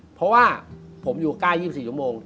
เพราะว่าผมอยู่ใกล้๒๔ชั่วโมง